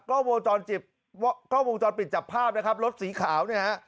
กล้องวงจรปิดจับภาพนะครับรถสีขาวนี่ฮะ